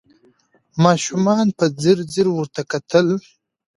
ماشومانو په ځیر ځیر ورته کتله